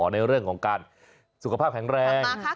ในเรื่องของการสุขภาพแข็งแรง